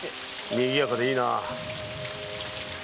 賑やかでいいな。